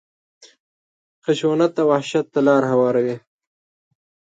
خشونت او وحشت ته لاره هواروي.